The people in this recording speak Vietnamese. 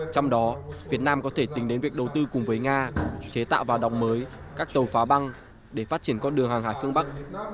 trong đó việt nam có thể tính đến việc đầu tư cùng với nga chế tạo vào đóng mới các tàu phá băng để phát triển con đường hàng hải phương bắc